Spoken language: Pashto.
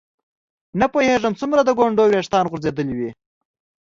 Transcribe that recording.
نه پوهېږم څومره د ګونډو ویښتان غورځېدلي وي.